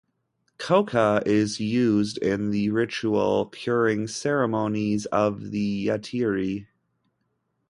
Coca is used in the ritual curing ceremonies of the yatiri.